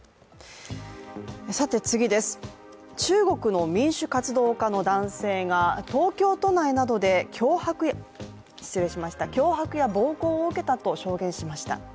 中国の民主活動家の男性が東京都内などで脅迫や暴行を受けたと証言しました。